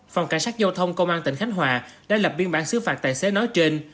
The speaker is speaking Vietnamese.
phòng cảnh sát giao thông công an tỉnh khánh hòa đã lập biên bản xứ phạt tài xế nói trên